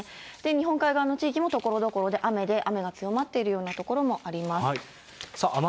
日本海の地域も、ところどころ雨で、雨が強まっているような所もあります。